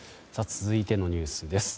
続いてのニュースです。